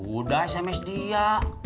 udah sms dia